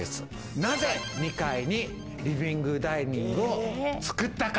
なぜ２階にリビングダイニングを造ったか？